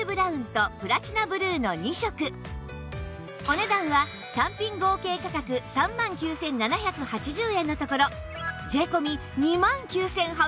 お値段は単品合計価格３万９７８０円のところ税込２万９８００円